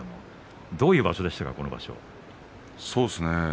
どういう場所でしたか。